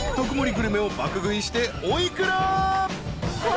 グルメを爆食いしてお幾ら？］